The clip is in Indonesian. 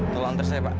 tolong terserah pak